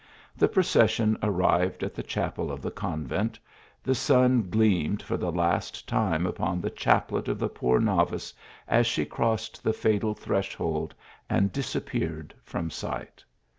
The procession arrived at the chapel of the convent ; the sun gleamed for the last time upon the chaplet of the poor novice as she crossed the fatal threshold and disappeared fronT sight.